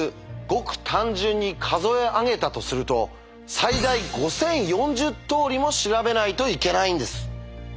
ごく単純に数え上げたとすると最大５０４０通りも調べないといけないんです。